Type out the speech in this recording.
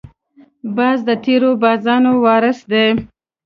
باز د تېرو بازانو وارث دی